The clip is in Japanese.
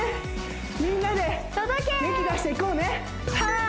みんなで元気出していこうね届けー！